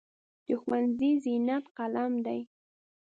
د ښوونځي زینت قلم دی.